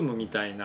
な